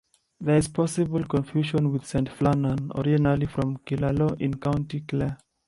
There is possible confusion with St.Flannan, originally from Killaloe in County Clare.